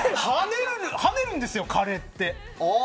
跳ねるんですよ、カレーって。